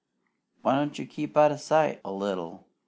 Why don't you keep out o' sight a little?